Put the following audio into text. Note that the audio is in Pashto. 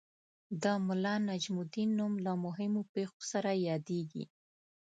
د ملا نجم الدین نوم له مهمو پېښو سره یادیږي.